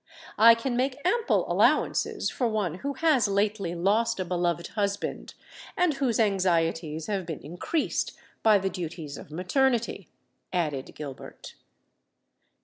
I can make ample allowances for one who has lately lost a beloved husband, and whose anxieties have been increased by the duties of maternity," added Gilbert.